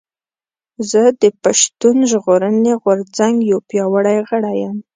زه د پشتون ژغورنې غورځنګ يو پياوړي غړی یم